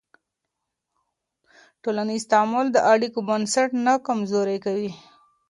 ټولنیز تعامل د اړیکو بنسټ نه کمزوری کوي.